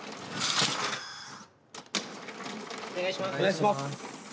お願いします！